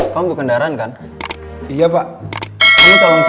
kamu untuk kendaraan kan